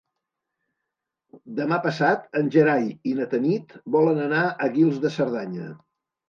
Demà passat en Gerai i na Tanit volen anar a Guils de Cerdanya.